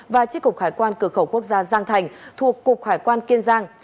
và chí cục khải quan cửa khẩu quốc gia giang thành thuộc cục khải quan kiên giang